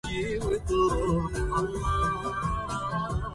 كيف أنسى زمناً كنت به